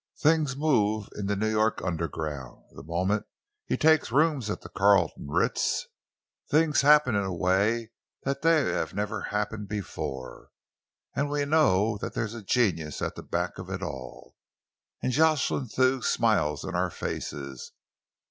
Things move in New York underground. The moment he takes rooms at the Carlton Ritz, things happen in a way that they have never happened before, and we know that there's genius at the back of it all, and Jocelyn Thew smiles in our faces.